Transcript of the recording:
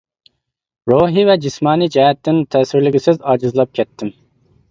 روھى ۋە جىسمانىي جەھەتتىن تەسۋىرلىگۈسىز ئاجىزلاپ كەتتىم.